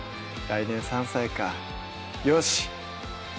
来年３歳かよ